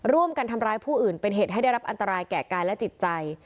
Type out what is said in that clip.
ร่วมกันทำร้ายผู้อื่นเป็นเหตุให้ได้รับอันตรายแก่กายและจิตใจ